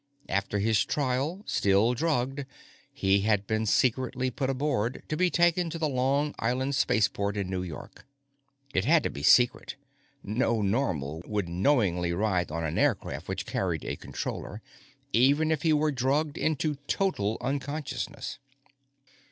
After his trial, still drugged, he had been secretly put aboard, to be taken to the Long Island Spaceport in New York. It had had to be secret; no Normal would knowingly ride on an aircraft which carried a Controller, even if he were drugged into total unconsciousness.